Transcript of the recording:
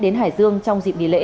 đến hải dương trong dịp nghỉ lễ